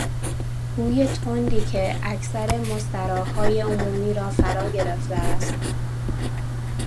بوی تندی که اکثر مستراحهای عمومی را فراگرفته است